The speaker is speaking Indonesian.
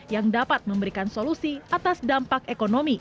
yang dapat memberikan solusi atas dampak ekonomi